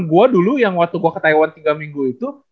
gue dulu yang waktu gue ke taiwan tiga minggu itu